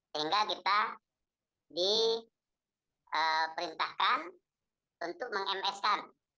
sehingga kita diperintahkan untuk meng ms kan